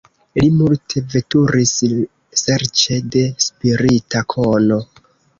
Li multe veturis serĉe de spirita kono.